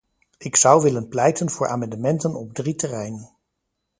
Ik zou willen pleiten voor amendementen op drie terreinen.